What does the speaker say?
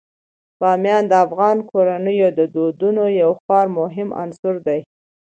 بامیان د افغان کورنیو د دودونو یو خورا مهم عنصر دی.